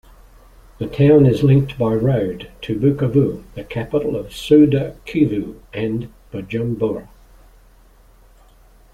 The town is linked by road to Bukavu, the capital of Sud-Kivu, and Bujumbura.